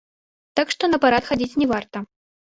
Так што на парад хадзіць не варта.